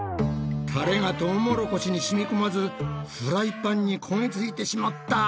タレがトウモロコシにしみこまずフライパンにこげついてしまった。